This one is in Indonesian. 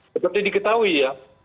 seperti diketahui ya